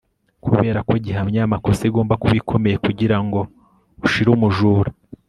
kubera ko gihamya yamakosa igomba kuba ikomeye kugirango ushire umujura